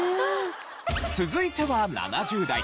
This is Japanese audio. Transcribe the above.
続いては７０代。